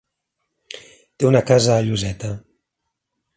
Té una casa a Lloseta.